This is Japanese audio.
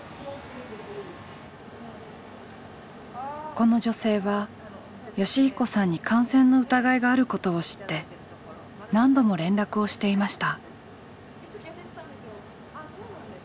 この女性は善彦さんに感染の疑いがあることを知って何度も連絡をしていました。